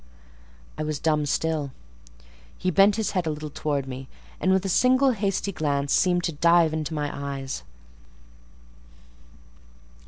I was dumb still. He bent his head a little towards me, and with a single hasty glance seemed to dive into my eyes.